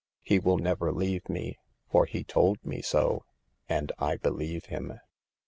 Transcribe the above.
He will never leave me, for he told me so, and I believe him."